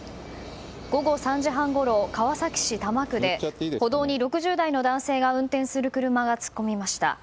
午後３時半ごろ、川崎市多摩区で歩道に６０代の男性が運転する車が突っ込みました。